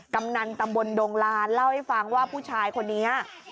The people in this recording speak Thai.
กำนันตำบลดงลานเล่าให้ฟังว่าผู้ชายคนนี้